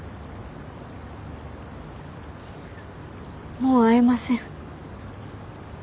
もう会えません。